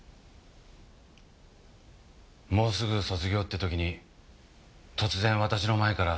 もうすぐ卒業って時に突然私の前から姿を消した。